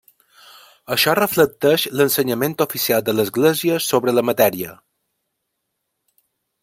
Això reflecteix l'ensenyament oficial de l'Església sobre la matèria.